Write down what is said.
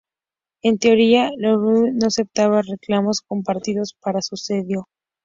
En teoría, la Luftwaffe no aceptaba reclamos compartidos, pero sucedió.